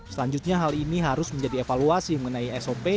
selanjutnya hal ini harus menjadi evaluasi mengenai sop